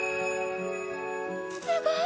すごい！